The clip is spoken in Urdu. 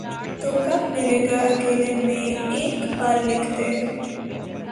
تو کب ملے گا اکیلے میں ایک پل لکھ دے